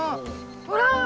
ほら！